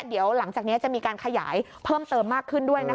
เดี๋ยวหลังจากนี้จะมีการขยายเพิ่มเติมมากขึ้นด้วยนะคะ